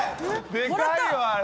でかいよあれ。